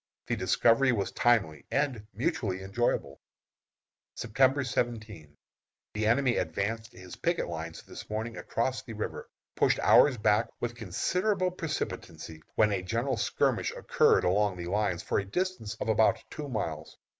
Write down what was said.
The discovery was timely, and mutually enjoyable. September 17. The enemy advanced his picket lines this morning across the river, pushed ours back with considerable precipitancy, when a general skirmish occurred along the lines for a distance of about two miles.